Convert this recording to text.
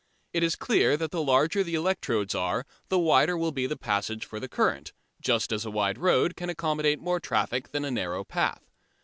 It is clear that the larger the electrodes are the wider will be the passage for the current, just as a wide road can accommodate more traffic than a narrow path.